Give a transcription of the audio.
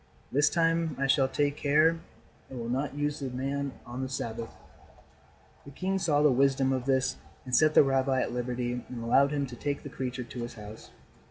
This time I shall take care and will not use the man on the Sabbath." The king saw the wisdom of this and set the rabbi at liberty and allowed him to take the creature to his house.